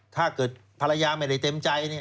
ถ้าเกิดภรรยาไม่ได้เต็มใจ